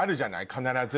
必ず。